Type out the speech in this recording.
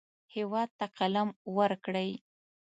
هېواد ته قلم ورکړئ